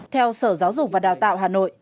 theo sở giáo dục và đào tạo hà nội